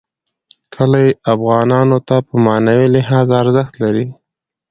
کلي افغانانو ته په معنوي لحاظ ارزښت لري.